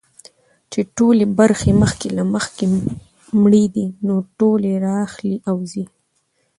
چي ټولي برخي مخکي له مخکي مړې دي نو ټولي را اخلي او ځي.